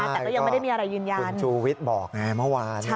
แต่ก็ยังไม่ได้มีอะไรยืนยันคุณทวิตบอกไงเมื่อวานนะครับ